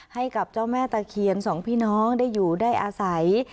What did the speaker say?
ให้กับเจ้าแม่ตะเคียนสองพี่น้องได้อยู่ได้อาศัย